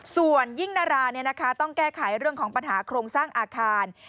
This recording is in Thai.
ส่วนยิ่งนาราต้องแก้ไขเรื่องของปัญหาโครงสร้างอาคาร